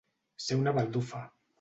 Ser una baldufa.